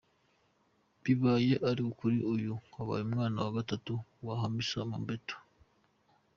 Bibaye ari ukuri uyu yaba abaye umwana wa gatatu wa Hamisa Mobeto.